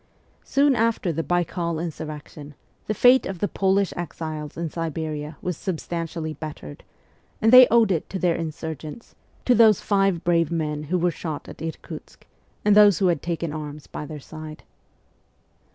Soon after the Baikal insurrection the fate of the Polish exiles in Siberia was substantially bettered, and they owed it to their insurgents to those five brave men who were shot at Irkutsk, and those who had taken arms by their side.